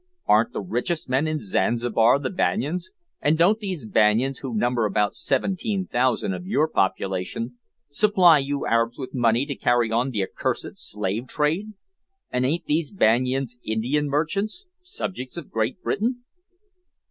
Aren't the richest men in Zanzibar the Banyans, and don't these Banyans, who number about 17,000 of your population, supply you Arabs with money to carry on the accursed slave trade? And ain't these Banyans Indian merchants subjects of Great Britain?"